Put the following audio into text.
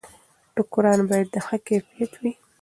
ټوکران باید د ښه کیفیت وي.